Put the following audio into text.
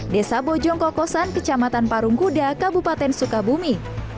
desa bojong kokosan kecamatan parungkuda kabupaten sukabumi